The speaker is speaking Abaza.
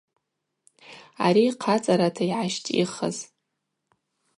Ари хъацӏарата йгӏащтӏихыз.